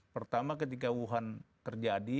pertama ketika wuhan terjadi